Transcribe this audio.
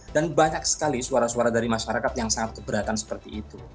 dan banyak sekali suara suara dari masyarakat yang sangat keberatan seperti itu